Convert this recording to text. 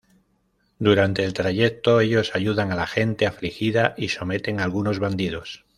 Durante el trayecto ellos ayudan a la gente afligida y someten algunos bandidos.